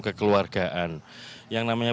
kekeluargaan yang namanya